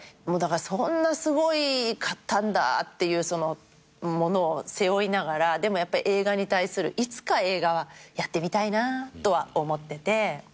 そんなすごかったんだってものを背負いながらでもやっぱり映画に対するいつか映画はやってみたいなとは思ってて。